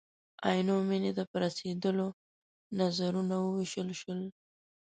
عینو مېنې ته په رسېدلو نظرونه ووېشل شول.